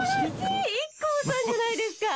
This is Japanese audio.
ＩＫＫＯさんじゃないですか！